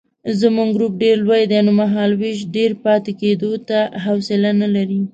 زموږ ګروپ ډېر لوی دی نو مهالوېش ډېر پاتې کېدو ته حوصله نه لري.